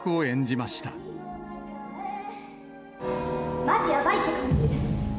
まじやばいって感じ。